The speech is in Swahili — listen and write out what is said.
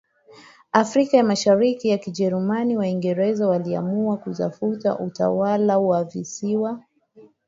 Afrika ya Mashariki ya Kijerumani waingereza waliamua kutafuta utawala wa visiwa